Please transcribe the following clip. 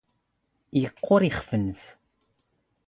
ⵉⵇⵇⵓⵔ ⵉⵅⴼ ⵏⵏⵙ.